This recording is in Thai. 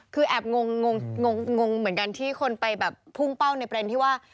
คือแอบงงเหมือนกันที่คนไปแบบพุ่งเป้าในประเด็นที่ว่า